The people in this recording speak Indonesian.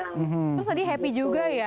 terus tadi happy juga ya